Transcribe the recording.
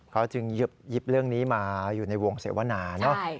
เขาจึงหยิบเรื่องนี้มาอยู่ในวงเสวนาเนอะ